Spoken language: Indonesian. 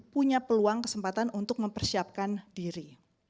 punya peluang kesempatan untuk mempersiapkan diri